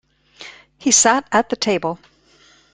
He sat at the table.